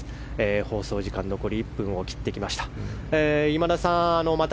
放送時間残り１分を切ってきました。